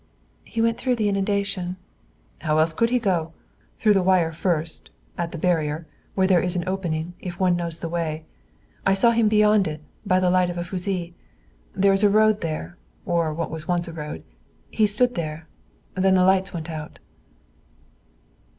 "He went through the inundation?" "How else could he go? Through the wire first, at the barrier, where there is an opening, if one knows the way, I saw him beyond it, by the light of a fusee. There is a road there, or what was once a road. He stood there. Then the lights went out."